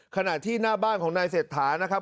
ขณะที่หน้าบ้านของนายเศรษฐานะครับ